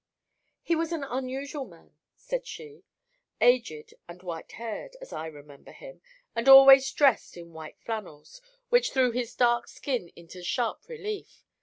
"He was an unusual man," said she; "aged and white haired, as I remember him, and always dressed in white flannels, which threw his dark skin into sharp relief.